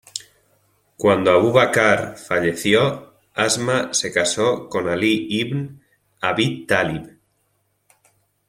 Cuando Abu Bakr falleció, Asma se casó con Ali Ibn Abi Tálib.